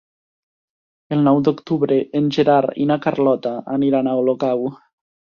El nou d'octubre en Gerard i na Carlota aniran a Olocau.